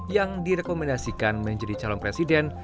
yang direkomendasikan menjadi calon presiden